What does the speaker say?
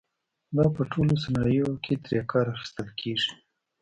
دا په ټولو صنایعو کې ترې کار اخیستل کېږي.